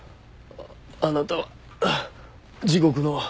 あなたは地獄の。